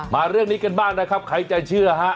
เรื่องนี้กันบ้างนะครับใครจะเชื่อฮะ